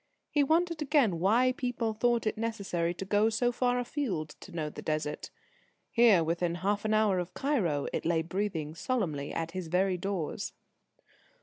He wondered again why people thought it necessary to go so far afield to know the Desert. Here, within half an hour of Cairo, it lay breathing solemnly at his very doors.